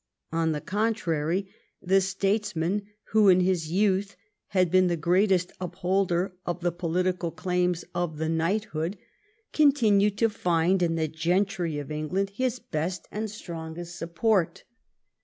On the contrary, the statesman, who in his youth had been the greatest upholder of the political claims of the knighthood, VIII EDWARD AND THE THREE ESTATES 139 continued to find in the gentry of England his best and strongest support.